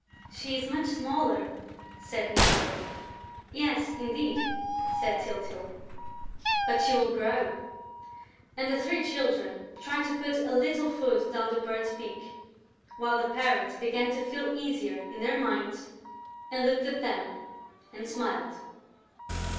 "She is much smaller," said Mytyl. "Yes, indeed!" said Tyltyl. "But she will grow!..." And the three Children tried to put a little food down the Bird's beak, while the parents began to feel easier in their minds and looked at them and smiled.